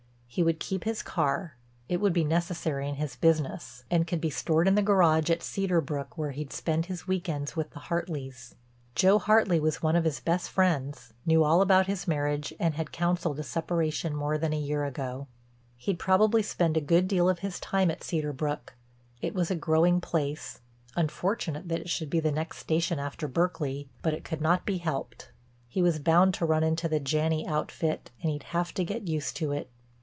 He would keep his car—it would be necessary in his business—and could be stored in the garage at Cedar Brook where he'd spend his week ends with the Hartleys. Joe Hartley was one of his best friends, knew all about his marriage and had counseled a separation more than a year ago. He'd probably spend a good deal of his time at Cedar Brook, it was a growing place; unfortunate that it should be the next station after Berkeley, but it could not be helped. He was bound to run into the Janney outfit and he'd have to get used to it.